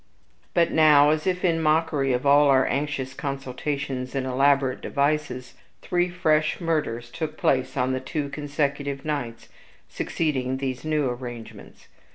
But now, as if in mockery of all our anxious consultations and elaborate devices, three fresh murders took place on the two consecutive nights succeeding these new arrangements.